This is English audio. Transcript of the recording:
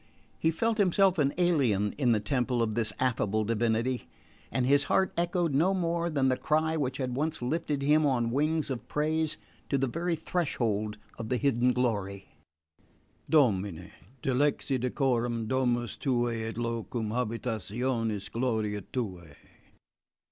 He felt himself an alien in the temple of this affable divinity, and his heart echoed no more than the cry which had once lifted him on wings of praise to the very threshold of the hidden glory Domine, dilexi decorem domus tuae et locum habitationis gloriae tuae!